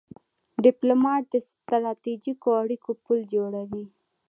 ډيپلومات د ستراتیژیکو اړیکو پل جوړوي.